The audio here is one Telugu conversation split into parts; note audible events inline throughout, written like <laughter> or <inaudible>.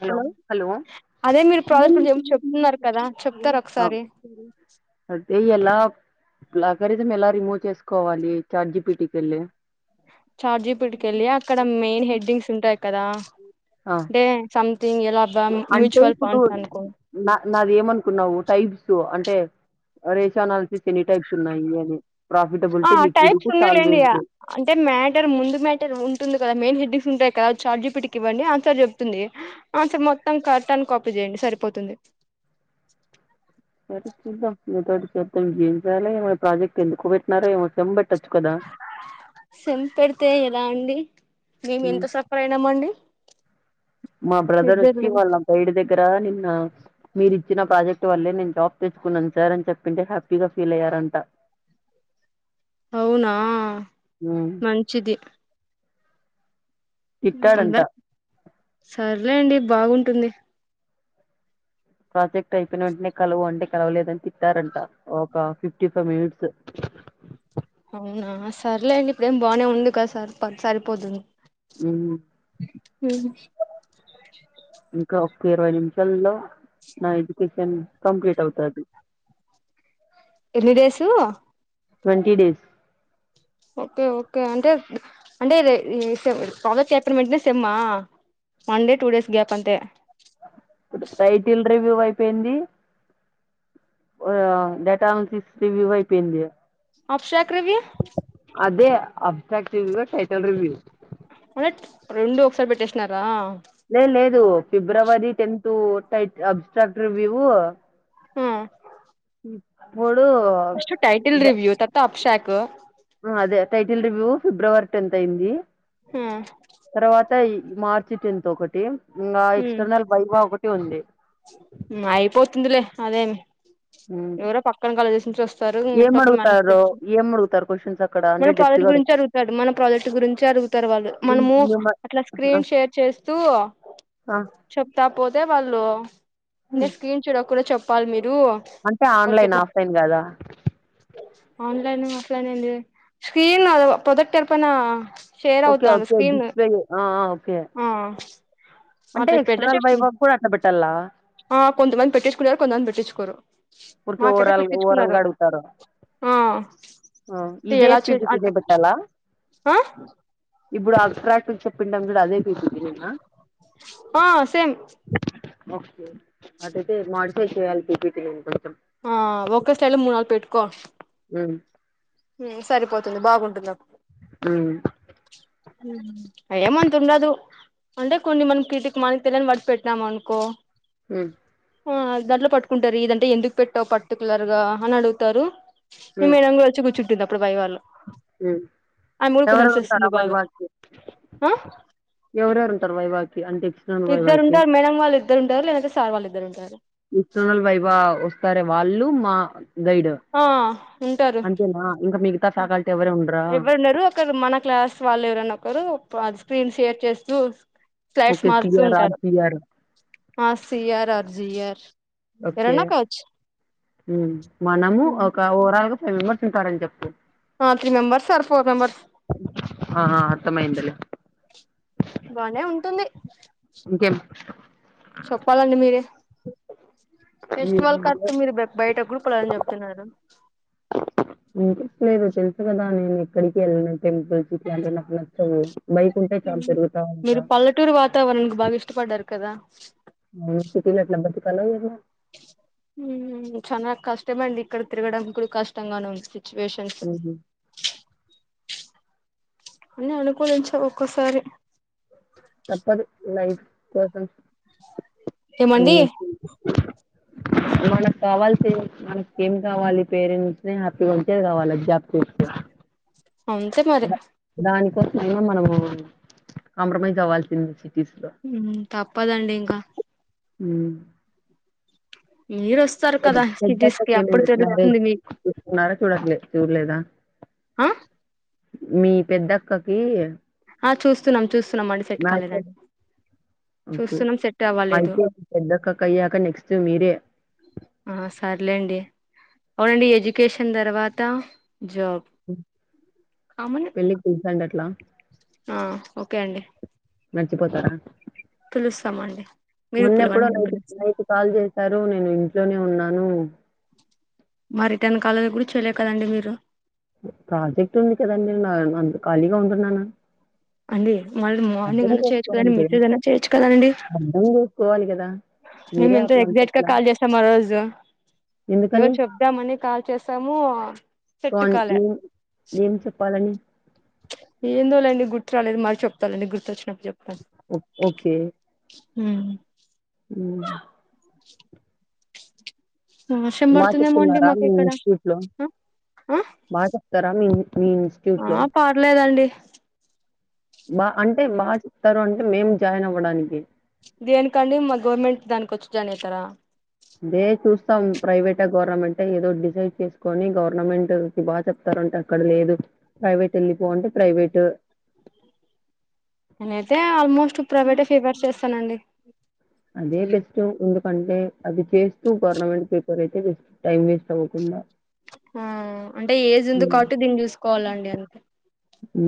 హలో హలో అదే మీరు ప్రాజెక్ట్ గురించి ఏమో చెప్తున్నారు కదా చెప్తారు ఒకసారి <unintelligible> అయితే ఎలా ప్లగరిజం ఎలా రిమూవ్ చేసుకోవాలి చాట్ జిపిటికెళ్ళి చాట్ జిపిటికెళ్ళి అక్కడ మెయిన్ హెడ్డింగ్స్ ఉంటాయి కదా ఆ అంటే స తింగేలా అంటే ఇప్పుడు నా నాది ఏమనుకున్నావు టైప్స్ అంటే రేషానాలసిస్ ఎన్ని టైప్స్ ఉన్నాయి అని ఆ ప్రాఫిటబిలిటీ టైప్స్ లిక్విడిటీ ఉందిలేండి సాల్వెన్సీ అంటే మ్యాటర్ ముందు మ్యాటర్ ఉంటుంది కదా మెయిన్ హెడ్డిస్ ఉంటాయి చాట్ జిపీటికి ఇవ్వండి ఆన్సర్ చెప్తుంది ఆన్సర్ మొత్తం కరెక్ట్ అని కాపీ చేయండి సరిపోతుంది సరే చూద్దాం మీతోటి చూద్దాం <unintelligible> జీంించాలి ఏమ ప్రాజెక్ట్ ఎందుకు పెట్టినారా ఏమో చెంబట్ సెమ్ పెడితే ఎలా అండి మేము ఎంత సఫర్ అయినామండి ఇద్దరులే ఇక్కడ నిన్న మీరు ఇచ్చిన ప్రాజెక్ట్ వల్లే నేను జాబ్ తెచ్చుకున్నాను సార్ అని చెప్పింటే హ్యాపీగా ఫీల్ అయ్యారంట అవునా మంచిది తిట్టాడంట అందరు సర్లేండి బాగుంటుంది ప్రాజెక్ట్ అయిపోయిన వెంటనే కలువు అంటే కలవలేదని తి తిట్టారంట ఆహ్ ఫిఫ్టీ ఫైవ్ మినిట్స్ అవునా సర్లేండి ఇప్పుడేం బాగానే ఉంది కదా సార్ సరిపోతుంది <unintelligible> ఇంకా ఇరవై నిమిషంలో నా ఇది కంప్లీట్ అవుాది ఎన్ని days twenty days okay okay అంటే అంటే ప్రాజెక్ట్ చేపోయిన వెంటనే సేమ్ ఆహ్ వన్ టూ డేస్ గ్యాప్ అంతే టైటిల్ రివ్యూ అయిపోయింది డేటా అనాలస్ రివ్యూ అయిపోయింది ఆబ్స్ట్రాక్ట్ రివ్యూ అదే అప్సాదిగా టైటల్ రివ్యూ మ రెండు ఒకసారి పెట్టేసినారా లే లేదు ఫిబ్రవరి టెన్త్ <unintelligible> ఆబ్స్ట్రాక్ట్ రివ్యూ హు పో ఫస్టు టైటిల్ రివ్యూ తర్వ షాక్ అదే టైటిల్ రివ్యూ ఫిబ్రవరి టెన్త్ అయింది హామ్ ఉంటాయి మార్చి టెన్త్ ఒకటి ఇంకా ఎక్స్టర్నల్ వైవ ఒకటి ఉంది అదేం ఉమ్ ఎవరో పక్కన కాలేజ్ నుంచి వస్తారు ఏం ఎప్పుడు మ అడుగుతారో ఏం అడుగుతారు క్వశ్చన్స్ అక్కడ అంటే మన డెప్త్ ప్రాజెక్ట్ గా గురించి అడుగు అడుగుతాడు మన ప్రాజెక్ట్ గురించే అడుగుతారు వాళ్ళు మిమ్ మనము మిమ్మ అట్లా ఆ స్క్రీన్ షేర్ చేస్తూ ఆ చెప్తా పోతే వాళ్ళు న హ్మ్ స్క్రీన్ షేర్ ఒక చెప్ కాల్ మీ డు అంటే ఆన్లైన్ ఆఫ్లైన్ కాదా online offline screen product <unintelligible> okay okay good thing okay ఆ అంటే అట్లా పెళ్ల ఎక్స్టర్నల్ చెప్ప వైవా కూడా అట్లా పెట్టాలా ఆ కొంతమంది పెట్టేసుకున్నారు కొంతమంది పెట్ట <unintelligible> ఊర్క ఓరాల్ ఓరాల్గా అడుగుతారు ఆ ఇదే ఎలా చే పిపి ఇదే పెట్టాల ఆ ఇప్పుడు ఆ అట్రాక్ చెప్పిండం కూడా అదే ఆ ఆ సేమ్ ఓకే అత్తే మోడిఫై చెలియా పిపిటి <unintelligible> ఆ ఒక్క స్టలు మూడు నాలుగు పెట్టుకో మ్మ్ సరిపోతుంది బాగుంటుంది అ ఏమంత ఉండదు అంటే కొన్ని మనం కీతిక మనకి తెలిని పడి పెట్టినాము అనుకో మ్మ్ ఆ దాంట్లో పట్టుకుంటారు ఇదంటే ఎందుకు పెట్టావు పర్టికులర్ గా అని అడుగుతారు నిం మ ఏనంగ వచ్చ కూర్చు దప్పుడు భై వాళు మ్మ్ ఎవరే ఉంటారు వేస్తుంది బాగా వైవా కి ఆ ఎవరేరు ఉంటారు వైవా కి ఇద్దరు ఉంటారు మేడం వాళ్ళు ఇద్దరు ఉంటారు లేదంటే సార్ వాళ్ళు ఇద్దరు ఉంటారు ఎక్స్టర్నల్ వైవా వస్తారే వాళ్ళు మా గైడ్ ఆ ఉంటారు అంతేనా ఇంకా మిగతా ఫ్యాకల్టీ ఎవరే ఉండరా ఎవరున్నారు ఒకక్కరు మన క్లాస్ వాళ్ళు ఎవరన్నా ఒకరు వాల్ స్క్రీన్ షేర్ చేస్తూ ఫ్లాట్స్ ఓకే మారుస్తూ సిఆర్ ఆర్ ఉంటారు సిఆర్ ఆ C R or G R అ యోరన్నా కావచ్చు మ్మ్ మనము ఒక ఓరాల్ గా విమర్శించస్తారని చెప్పు ఆ three members or four members ఆ ఆ, అర్థమైందిలే బానే ఉంటుంది ఇంకేం చెప్పాలండి మీరే ఫెస్టివల్ కత్తే మీరు బయట గూడపోరు అని చెప్తున్నారు. ఇంటకెస్ట్ లేదు తెలుసు కదా నేను ఎక్కడికి వెళ్ళిన టెంపుల్స్ ఇట్లాంటే నాకు నచ్చవు బైక్ ఉంటే చాలా తిరుగుతా ఉంటా మీరు పల్లెటూరు వాతావరణనికి బాగా ఇష్టపడ్డారు కదా సిటీల ఎట్లా బతుకలో మ్మ్ చాన కష్టమండి ఇక్కడ తిరగడం కూడా కష్టంగానే ఉంది సిచువేషన్స్ ఉమ్, అన్న అనుకూలించా ఒక్కసారి తప్పదు లైఫ్ కోసం ఏమండి అన్ని మనకు కావాల్స మనకి ఏం కావాలి పేరెంట్స్ ని హ్యాపీగా ఉంచేది కావాలి అది జాబ్ చేస్తే అంతే మరి కోసమైనా మనము కాంప్రమైజ్ అవ్వాల్సింది సిటీస్ లో మ్మ్ తప్ పదండీ ఇంకా ఊ మీరు వస్తారు కదా సిటీస్ కి అప్పుడు తెలుస్తుంది మీకు <unintelligible> చూడట్లె చూడ్లేదా అ మీ పెద్దక్కకీ. ఆ చూస్తున్నాం చూస్ తున్నామండి సెట్ కాలేదండి. ఓకే చూస్తున్నాం సెట్ అవ్వాలేదు అయితే పెద్దక్కకి అయ్యాక నెక్స్ట్ మీరే ఆ సర్లేండి. అవునండి ఎడ్యుకేషన్ తర్వాత జాబ్ ఊ కామన్ పెళ్ళిక్ పిలసండట్ ట్లా ఆ ఓకే అండి. మర్చిపోతారా. పిలుస్తాం అండి. మొన్న ఎప్పుడో నైట్ నైట్ కాల్ చేశారు నేను ఇంట్ ఇంట్లోనే ఉన్నాను. మా రిటర్న్ కాల్ కూడా చెయలే కదండి మీరు. ప్రాజెక్ట్ ఉంది కదండి నార్మల్ అంద్ ఖాళీగా ఉంటున్నాన అండి మళ్ళీ మార్నింగ్ అయినా చేయొచ్చు కదండి, కదా! మెసేజ్ అయినా చేయొచ్చు కదండి. అర్థం చేసుకోవాలి కదా! మేము మీరే ఎంతో అట్లా అంటే ఎగ్జాక్ట్ గా ఎట్లా? కాల్ చేసాం ఆ రోజు ఏవో ఎందుకని? చెప్దామని కాల్ చేసామూ. సో, అన్ సెట్టుకాలే ఏం ఏం చెప్పాలని? ఏందోలేండి గుర్త్ త్రలేదు మళ్ళి చెప్తాలేండి గుర్తొచ్చినప్ ఓ ఓకే ఊ ఊ వర్షం మాట పడుతుందేమో అండి ఇస్తున్నారా మాకు మీ ఇక్కడ ఇన్స్టిట్యూట్ లో ఆ బా చెప్తారా మీ మీ ఇన్స్టిట్యూట్ లో ఆ పర్లేదండి బా అంటే బాగా చెప్తారు అంటే మేం జాయిన్ అవ్వడానికి. దేనికండి మా గవర్నమెంట్ దానికి వచ్చి జాయిన్ అవుతారా. దే చూస్తాం ప్రైవేటా గవర్నమెంటా ఏదోక్ డిసైడ్ చేసుకొని గవర్నమెంట్ కి బాగా చెప్తారుంటే అక్కడ లేదు ప్రైవేట్ వెళ్ళిపో అంటే ప్రైవేట్ నేనైతే ఆల్మోస్ట్ ప్రైవేటే ఫేవర్ చేస్తానండి అదే బెస్ట్ ఎందుకంటే అది చేస్తూ గవర్న్ మెంట్ అదైతే బెస్ట్ టైమ్ వేస్ట్ అవ్వకుండా. ఆ అంటే ఏజ్ ఉంది హ్మ్. కాబట్టి దీన్ని చూసుకోవాలండి అంతే ఊ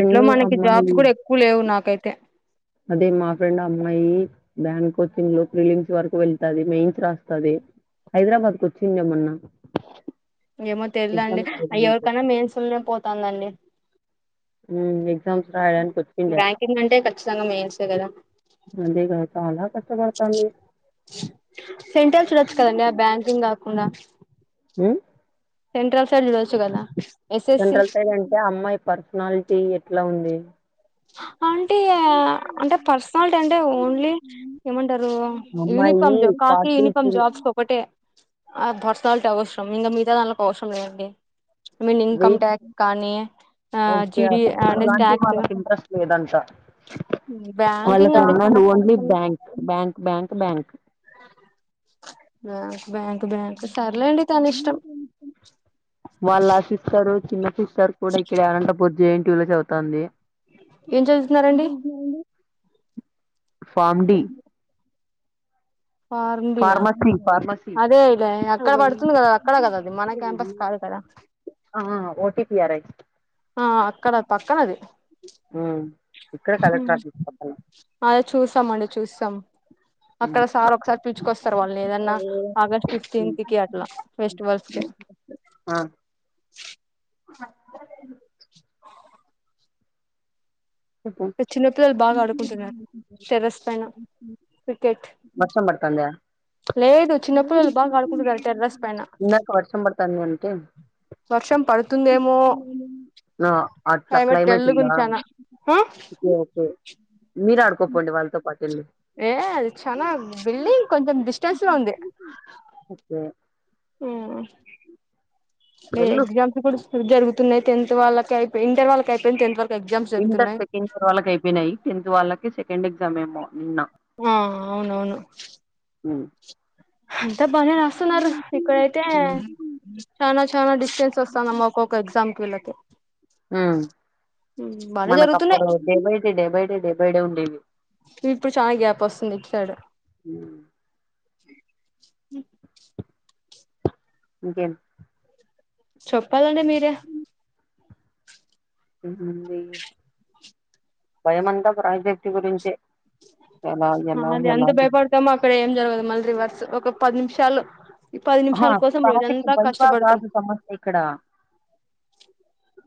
ఎట్ల మనకి అమ్మాయి జాబ్స్ కూడా ఎక్కువ లేవ్ నాకైతే అదే మా ఫ్రెండ్ అమ్మాయి బ్యాంక్ కోచింగ్ లో ఫీలిమ్స్ వరకు వెళ్తది మెయిన్స్ రాస్తది హైదరాబాద్ కు వచ్చింద్గా మొన్న ఏమో తెల్దండి ఎగ్జామ్స్ అయ్యి రాయడానికి. ఎవ్కన్న మెయిన్స్లోనే పోతుందండి ఉ <unintelligible> బ్యాంకింగ్ అంటే ఖచ్చితంగా మెయిన్సే కదా సెంట్రల్ చూడొచ్చు కదండి ఆ బ్యాంకింగ్ కాకుండా <inaudible> ఉ సెంట్రల్ సైడ్ చూడొచ్చు కదా ఎస్ఎస్సి జనరల త అంటే అమ్మాయి పర్సనాలిటీ ఎట్లా ఉంది <inaudible> అంటే అంటే పర్సనాలిటీ అంటే ఓన్లీ ఏమంటారు ఆ అమ్మాయి యూనిఫామ్ జాబ్ కాకిీ యూనిఫామ్ కిల్ జాబ్స్ ఒకటే ఆ పర్సనాలిటీ అవసరం ఇంకా ఆ మిగతా దాన్లాకి అవసరం లేదండి I mean income wait tax కానీ ఆ ఓకే. జీడి అంటే అట్లాంటివి ట్యాక్స్ వాళ్ళకి ఇంట్రెస్ట్ లేదంట వాళ్ళక బ్యాంకింగ్ అంటే అన్నా చాలా ఓన్లీ కష్టం బ్యాంక్ బ్యాంక్ బ్యాంక్ బ్యాంక్ ఆ బ్యాంక్ బ్యాంక్ సర్లెండి తన ఇష్టం కన్నకి సార్ కూడా ఇక్కడే అనంతపూర్ జేఎన్టీయూ లో చదువుతంది ఏం చదుతున్నారండి form D form D pharmacy pharmacy అదే ఇలే అక్కడ పడుతుంది కదా అక్కడ కదా అది మన క్యాంపస్ కాదు కదా ఆ ఓటిపిఆర్ఐ ఆ అక్కడ పక్కన అది ఉమ్ ఇక్కడ కలెక్టర్ ఆఫీస్ పక్కన చూసాం అండి చూసాం అక్కడ సార్ ఒకసారి పిచుకొస్తారు వాళ్ళు ఏదన్నా ఆగస్ట్ ఉమ్ ఫిఫ్టీన్త్ కి అట్లా ఫెస్టివల్స్ కి ఆ <inaudible> చెప్పు చిన్నపిల్లలు బాగా ఆడుకుంటున్నారు టెర్రస్ పైన క్రికెట్ వర్షం పడతందా లేదు చిన్నపిల్లలు బాగా ఆడుకుంటున్నారు టెర్రస్ పైన ఇందక వర్షం పడతాంది అంటే వర్షం పడుతుందేమో అట్లా క్లైమేట్ డల్ ఉంద గుంచానా ఆ ఒకే ఒకే మీరు ఆడుకోపోండి వాళ్ళతో పాటు వెళ్ళి ఏ అది చనా బిల్డింగ్ కొంచెం డిస్టెన్స్ లో ఉంది <inaudible> ఓకే నే వెళ్ళు ఎగజామ్స్ కూడా జరుగుతు తున్నాయి టెన్త్ వాళ్ళకి అయి ఇంటర్ వాళ్ళకి అయిపోయి టెన్త్ వాళ్ ఇంటర్ సెకండ్ ఇయర్ వాళ్ళకి అయిపోయినాయి టెంత్ వాళ్ళకి సెకండ్ ఎగ్జామ్ ఏమో నిన్న ఆ అవునవును ఉమ్ అంతా బనే రాస్తున్నారు ఇక్కడైతే ఉమ్ చనా చనా డిస్టెన్స్ వస్తాదమ్మ ఒక్కొక్క ఎగ్జామ్కిి వెళ్ళ కి ఉమ్ బానే మనకు జరుగుతున్నాయి అప్పుడు day by day day by day day by day ఉండేది ఇప్పుడు చాలా గ్యాప్ వస్తుంది ఇటు సైడ్ ఇంకేమి చెప్పాలండి మీరే ఉంది భయమంతా ప్రాజెక్ట్ గురించే ఎలా ఎలా అదే అంత ఎలా భయపడితే ఇక్కడ ఏం జరగదు మళ్ళీ రివర్స్ ఒక పది నిమిషాలు ఈ పది హ నిమిషాల కోసం ప్రాజెక్ట్ రోజంతా వైవా కష్టపడతాం కాదు సమస్య ఇక్కడ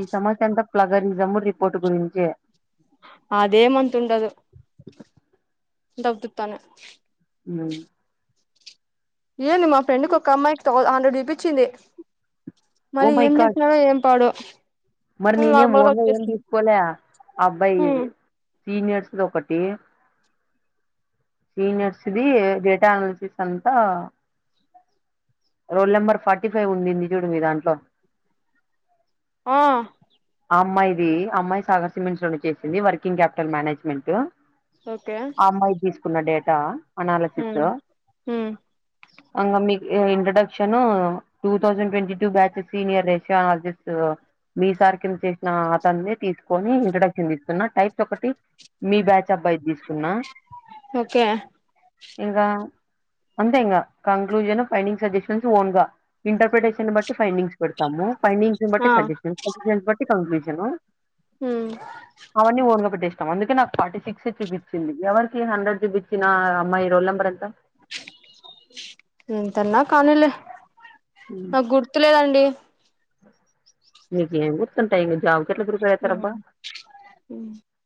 ఈ సమస్య అంత ప్లగరిసం రీ అదేమంత ఉండదు అంతా ఉతుతనే ఉ ఏంది మా ఫ్రెండ్కి ఒక అమ్మాయికి థౌ హండ్రెడ్ చుపించింది ఓ మళ్ళీ మై ఏం గాడ్ చేసినారో ఏం పాడో మరి నేనేం నార్మల్ ఓన్ గా ఏం వచ్చేసింది తీసుకోలే ఆ అబ్బాయి హ్మ్ సీనియర్స్ది ఒకటి సీనియర్స్ది డేటా అనాలిసిస్ అంతా రోల్ నెంబర్ ఫార్టీ ఫైవ్ ఉండింది చూడు మీ దాంట్లో ఆ ఆ అమ్మాయి ది అమ్మాయి సాగర్ సిమెంట్ లోనే చేసింది వర్కింగ్ క్యాపిటల్ మేనేజ్మెంట్ ఓకే న్న డేటా అనాలసిస్ హ్మ్ హ్మ్ అంగ మీ introduction two thousand twenty two batches senior రేశాజిస్ట్ మీ సార్ చేసిన అతన్ని తీసుకొని ఇంట్రడక్షన్ తీస్తున్నా టైప్ ఒకటి మీ బ్యాచ్ అబ్బయిది తీసుకు న్న ఓకే ఇంగా అంతే ఇంగా కంక్లూజన్ ఫైండింగ్ సజెషన్స్ ఓన్ గా ఇంటర్ప్రిటేషన్ బట్టి ఫైండింగ్స్ పెడతాము ఫైండింగ్స్ నీ బట్టి ఆ సజెషన్ సజెషన్స్ బట్టి మిషను హ్మ్ అవన్నీ ఓన్ గా పే ఇష్టం అందుకే నాకు ఫార్టీ సిక్స్ చూపించింది ఎవరికి హండ్రెడ్ చూపించిన అమ్మాయి రోల్ నెంబర్ ఎంతా మ్మ్ తన్నా కానీలే నాకు గుర్తులేదండి నీకు ఏం చెప్పిన టైం ట్ల ప్రిపేర్ అయితరు హ్మ్ అబ్బా హ్మ్